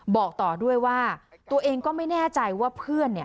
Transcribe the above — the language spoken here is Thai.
บอกต่อด้วยว่าตัวเองก็ไม่แน่ใจว่าเพื่อนเนี่ย